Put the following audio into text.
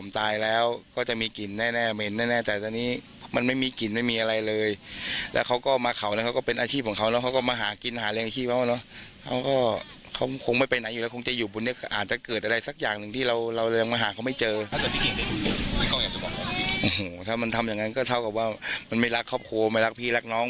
ถ้ามันทำอย่างนั้นก็เท่ากับว่ามันไม่รักครอบครัวไม่รักพี่รักน้อง